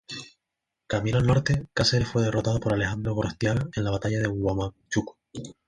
Camino al norte, Cáceres fue derrotado por Alejandro Gorostiaga en la Batalla de Huamachuco.